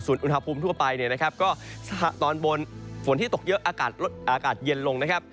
อุณหภูมิทั่วไปเนี่ยนะครับก็ตอนบนฝนที่ตกเยอะอากาศเย็นลงนะครับ